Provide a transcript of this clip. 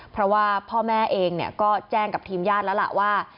เพราะว่าพ่อแม่เองก็แจ้งกับทีมญาติแล้วล่ะว่า